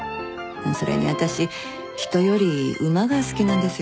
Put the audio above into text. それに私人より馬が好きなんですよね。